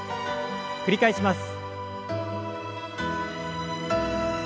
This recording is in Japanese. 繰り返します。